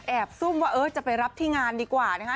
แอบซุ่มว่าจะไปรับที่งานดีกว่านะครับ